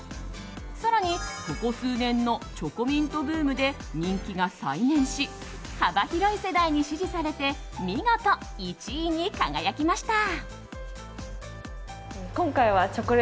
更に、ここ数年のチョコミントブームで人気が再燃し幅広い世代に支持され見事、１位に輝きました。